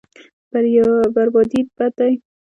بربادي بد دی.